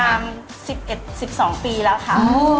ร้านที่๑๑๑๒ปีแล้วค่ะ